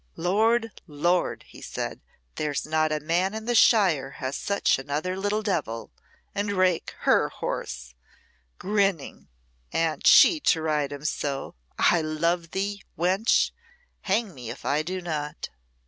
"Lord, Lord!" he said. "There's not a man in the shire has such another little devil and Rake, 'her horse,'" grinning "and she to ride him so. I love thee, wench hang me if I do not!"